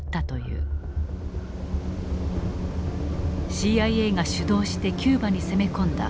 ＣＩＡが主導してキューバに攻め込んだ